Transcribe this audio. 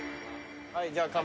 はいじゃあ乾杯。